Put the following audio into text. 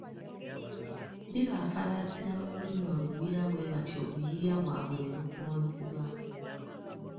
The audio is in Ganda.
Bibafalaasira mu lulimi olugwira bwe batyo obuyiiya bwabwe ne bukonziba.